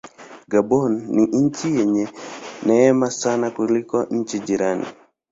Gabon ni nchi yenye neema sana kuliko nchi jirani.